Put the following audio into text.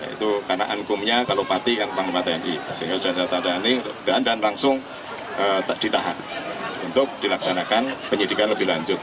itu karena anggumnya kalau parti kan panglima tni sehingga saya tanda tangan ini dan langsung ditahan untuk dilaksanakan penyidikan lebih lanjut